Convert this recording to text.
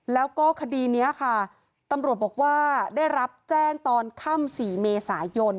แล้วก็คดีนี้ค่ะตำรวจบอกว่าได้รับแจ้งตอนค่ำ๔เมษายน